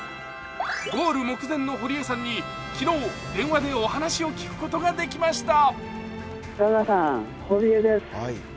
ゴール目前の堀江さんに昨日電話でお話を聞くことができました。